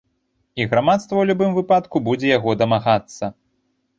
І грамадства ў любым выпадку будзе яго дамагацца.